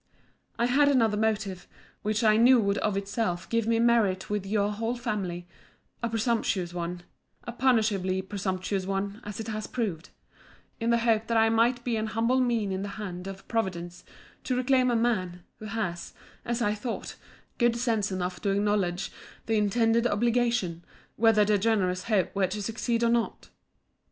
I had another motive, which I knew would of itself give me merit with your whole family; a presumptuous one, (a punishably presumptuous one, as it has proved,) in the hope that I might be an humble mean in the hand of Providence to reclaim a man, who had, as I thought, good sense enough to acknowledge the intended obligation, whether the generous hope were to succeed or not.